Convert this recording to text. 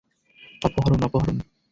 অপহরণ - অপহরণ।